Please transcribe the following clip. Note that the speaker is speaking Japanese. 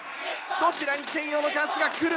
どちらにチェイヨーのチャンスが来るのか？